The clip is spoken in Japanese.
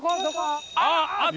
あっ！